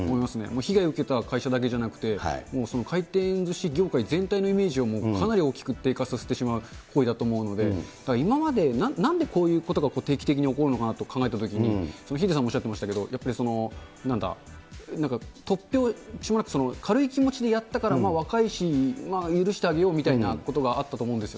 被害を受けた会社だけじゃなくて、回転ずし業界全体のイメージをかなり大きく低下させてしまう行為だと思うので、今まで、なんでこういうことが定期的に起こるのかなと考えたときに、ヒデさんもおっしゃっていましたけど、やっぱりなんだ、なんか突拍子もなく、軽い気持ちでやったから、若いし、許してあげようみたいなことがあったと思うんですよ。